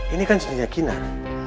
ini kan cincinnya kinar